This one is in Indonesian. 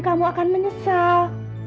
kamu akan menyesal